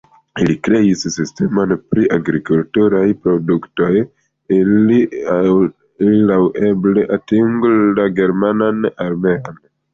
Li kreis sistemon pri agrikulturaj produktoj, ili laŭeble atingu la germanan armeon.